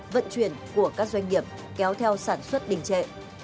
vận chuyển của các doanh nghiệp kéo theo sản xuất đình trệ